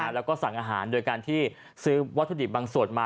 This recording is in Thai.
แล้วก็สั่งอาหารโดยการที่ซื้อวัตถุดิบบางส่วนมา